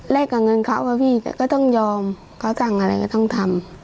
กับเงินเขาอะพี่ก็ต้องยอมเขาสั่งอะไรก็ต้องทำ